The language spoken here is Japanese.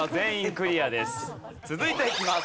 続いていきます。